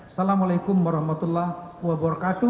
assalamualaikum wr wb